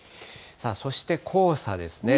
そして黄砂ですね。